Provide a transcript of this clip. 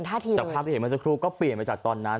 วันที่เจอเพราะความที่เห็นมันสักครู่ก็เปลี่ยนไปจากตอนนั้น